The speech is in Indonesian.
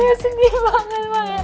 aku sedih banget banget